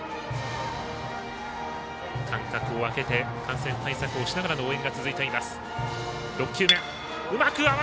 間隔をあけて感染対策をしながらの応援が続いています。